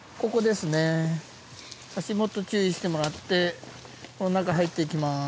足元注意してもらってこの中入っていきます。